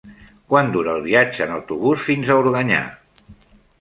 Quant dura el viatge en autobús fins a Organyà?